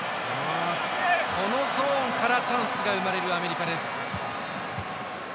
このゾーンからチャンスが生まれるアメリカです。